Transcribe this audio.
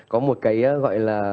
có một cái gọi là